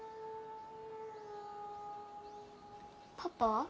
パパ？